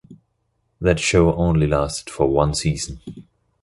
That show only lasted for one season.